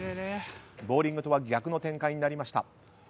ボウリングとは逆の展開になりました。